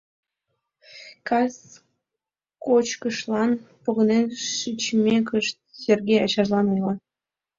Кас кочкышлан погынен шичмекышт, Сергей ачажлан ойла: